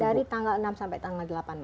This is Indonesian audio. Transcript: dari tanggal enam sampai tanggal delapan